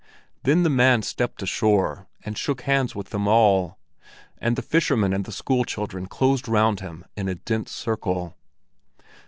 Then the man stepped ashore, and shook hands with them all; and the fisherman and the school children closed round him in a dense circle.